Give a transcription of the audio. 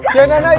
iya anak anak ya